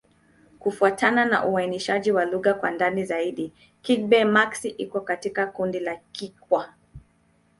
Kufuatana na uainishaji wa lugha kwa ndani zaidi, Kigbe-Maxi iko katika kundi la Kikwa.